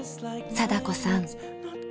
貞子さん。